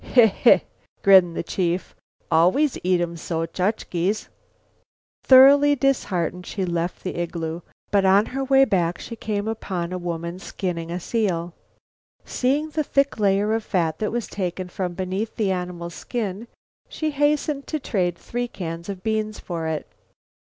"Eh eh," grinned the chief, "always eat 'em so, Chukche." Thoroughly disheartened, she left the igloo. But on her way back she came upon a woman skinning a seal. Seeing the thick layer of fat that was taken from beneath the animal's skin she hastened to trade three cans of beans for it.